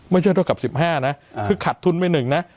ไม่ใช่เท่ากับ๑๕นะคือขัดทุนไป๑นะ